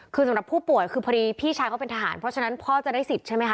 คือสำหรับผู้ป่วยคือพอดีพี่ชายเขาเป็นทหารเพราะฉะนั้นพ่อจะได้สิทธิ์ใช่ไหมค